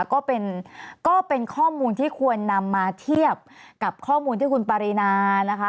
ก็เป็นข้อมูลที่ควรนำมาเทียบกับข้อมูลที่คุณปารีนานะคะ